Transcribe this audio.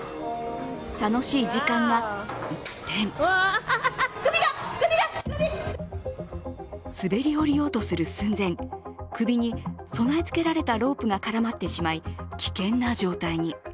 楽しい時間が一転滑り降りようとする寸前、首に備えつけたロープが絡まってしまい危険な状態に。